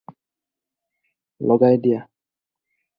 লগাই দিয়া